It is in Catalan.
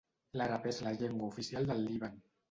L'àrab és la llengua oficial del Líban.